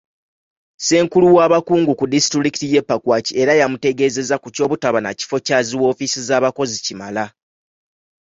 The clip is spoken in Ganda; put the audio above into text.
Ssenkulu w'abakungu ku disitulikiti y'e Pakwach era yamutegeeza ku ky'obutaba na kifo kya zi woofiisi z'abakozi kimala.